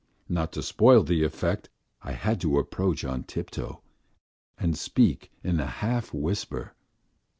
Not to spoil the effect, I had to approach on tiptoe and speak in a half whisper.